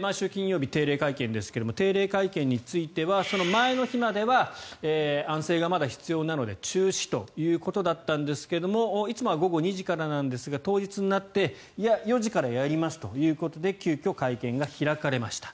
毎週金曜日、定例会見ですが定例会見についてはその前の日までは安静がまだ必要なので中止ということだったんですがいつもは午後２時からなんですが当日になっていや、４時からやりますということで急きょ会見が開かれました。